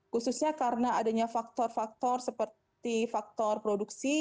khususnya karena adanya faktor faktor seperti faktor produksi